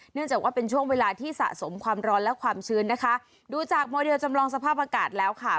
เนื่องจากว่าเป็นช่วงเวลาที่สะสมความร้อนและความชื้นนะคะดูจากโมเดลจำลองสภาพอากาศแล้วค่ะ